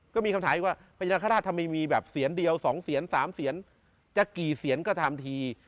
ก็มีคำถามอีกว่าพญานาคาราชทำไมมีแบบเสียนเดียว๒เสียน๓เสียนจะกี่เสียนก็ทำที